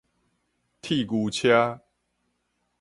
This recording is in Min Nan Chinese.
鐵牛車